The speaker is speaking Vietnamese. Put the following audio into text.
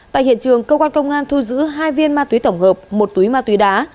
tại hiện trường công an thu giữ hai viên ma túy tổng hợp một túi ma túy đá